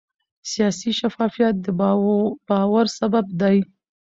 سیاسي شفافیت د باور سبب دی